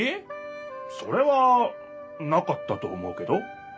それはなかったと思うけど。